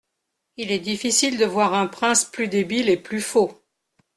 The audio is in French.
Il est difficile de voir un prince plus débile et plus faux.